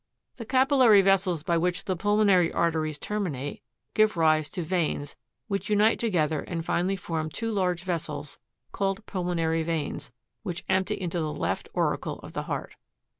38. The capillary vessels by which the pulmonary arteries ter minate, give rise to veins, which unite together and finally form two large vessels, called pulmonary veins, which empty into the feft auricle of the heart, (page 36, fig, 5.)